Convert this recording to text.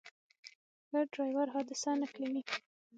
ښه ډرایور حادثه نه کوي.